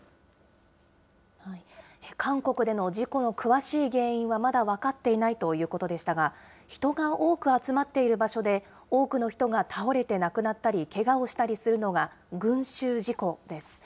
韓国での事故の詳しい原因はまだ分かっていないということでしたが、人が多く集まっている場所で多くの人が倒れて亡くなったり、けがをしたりするのが、群集事故です。